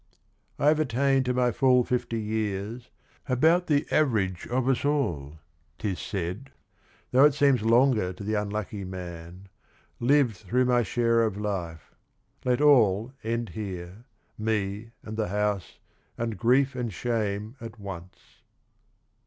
I have attained to my full fifty years, (About the average of us all, 't is said, Though it seems longer to the unlucky man) — Lived through my share of life; let all end here, Me and the house and grief and shame at once.